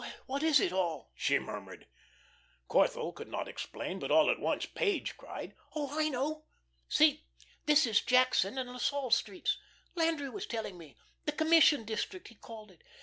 "Why, what is it all?" she murmured. Corthell could not explain, but all at once Page cried: "Oh, oh, I know. See this is Jackson and La Salle streets. Landry was telling me. The 'commission district,' he called it.